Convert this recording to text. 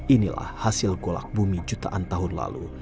inilah hasil golak bumi jutaan tahun lalu